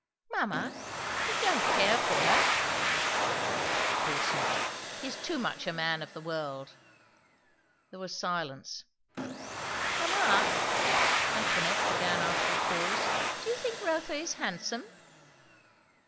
"Mamma, he don't care for her?" "Of course not. He is too much a man of the world." There was silence. "Mamma," Antoinette began after a pause, "do you think Rotha is handsome?"